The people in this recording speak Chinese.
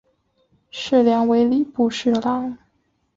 事梁为礼部侍郎。